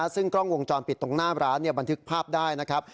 ซึ่งกล้องวงจรปิดตรงหน้าร้านบันทึกภาพได้นะครับ